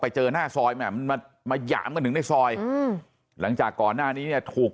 ไปเจอหน้าซอยมาหยามกันถึงในซอยหลังจากก่อนหน้านี้ถูก